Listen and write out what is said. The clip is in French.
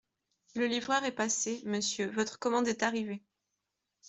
Le livreur est passé, monsieur, votre commande est arrivée.